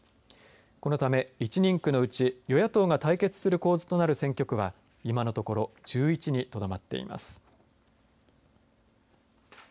このため、１人区のうち与野党が対決する選挙区は今のところ１１にとどまっています。